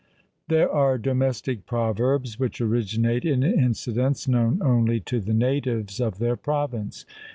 There are domestic proverbs which originate in incidents known only to the natives of their province.